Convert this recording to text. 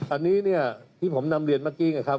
อันนี้ที่ผมนำเรียนเมื่อกี้